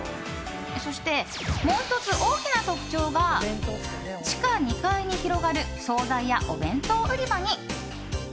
そして、もう１つ大きな特徴が地下２階に広がる総菜やお弁当売り場に！